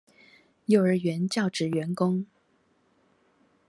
幼兒園教職員工